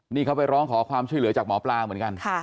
นี่เขาไปร้องขอความช่วยเหลือจากหมอปลาเหมือนกัน